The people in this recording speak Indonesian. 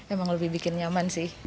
emang lebih bikin nyaman sih